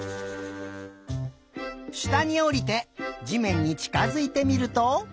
したにおりてじめんにちかづいてみると。